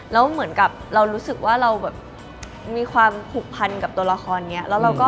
แล้วเหมือนกับเรารู้สึกว่าเราแบบมีความผูกพันกับตัวละครนี้